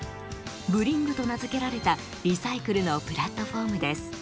「ＢＲＩＮＧ」と名付けられたリサイクルのプラットフォームです。